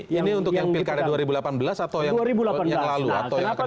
ini untuk yang pilkada dua ribu delapan belas atau yang lalu